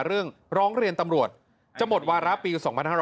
เรื่องร้องเรียนตำรวจจวาระปี๒๕๗๐